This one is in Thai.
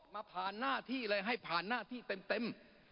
ผ่านหน้าที่เลยให้ผ่านหน้าที่เต็ม